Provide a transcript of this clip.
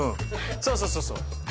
そうそうそうそう。